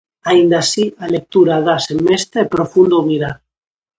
Aínda así, a lectura dáse mesta e profunda ao mirar.